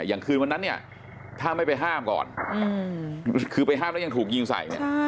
อย่างคืนวันนั้นเนี่ยถ้าไม่ไปห้ามก่อนคือไปห้ามแล้วยังถูกยิงใส่เนี่ย